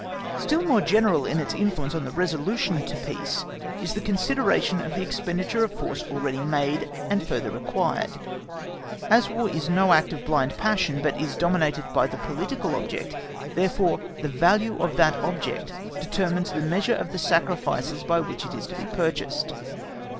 Still more general in its influence on the resolution to peace is the consideration of the expenditure of force already made, and further required. As War is no act of blind passion, but is dominated by the political object, therefore the value of that object determines the measure of the sacrifices by which it is to be purchased.